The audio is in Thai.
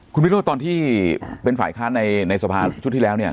คุณวิโรธตอนที่เป็นฝ่ายค้านในสภาชุดที่แล้วเนี่ย